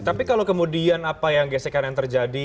tapi kalau kemudian apa yang gesekan yang terjadi